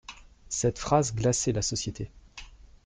Cette phrase glaçait la société.